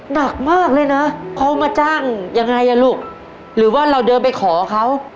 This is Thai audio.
หนักมากเลยนะเขามาจ้างยังไงอ่ะลูกหรือว่าเราเดินไปขอเขา